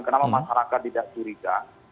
kenapa masyarakat tidak curiga